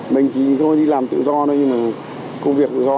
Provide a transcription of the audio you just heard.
mình chỉ đi làm tự do thôi công việc tự do